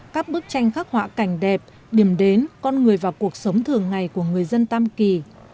các bức tranh khắc họa cảnh đẹp điểm đến con người và cuộc sống thường ngày của người dân tam kỳ